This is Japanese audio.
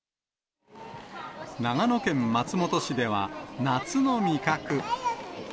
長野県松本市では、夏の味覚。